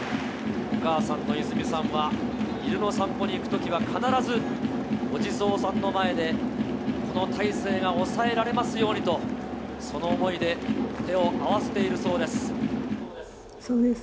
お母さんのいずみさんは、犬の散歩に行くときは、必ずお地蔵さんの前で、大勢が抑えられますようにと、その思いで手を合わせているそうそうです。